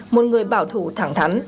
bởi bảo thủ thẳng thắn